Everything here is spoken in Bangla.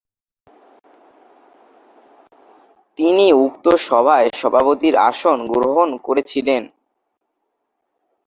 তিনি উক্ত সভায় সভাপতির আসন গ্রহণ করেছিলেন।